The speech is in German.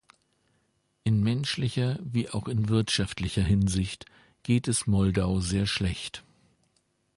In menschlicher wie auch in wirtschaftlicher Hinsicht geht es Moldau sehr schlecht.